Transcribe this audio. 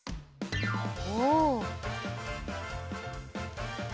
お。